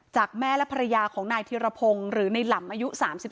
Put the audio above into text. จากแม่และภรรยาของนายธิรพงศ์หรือในหลำอายุ๓๓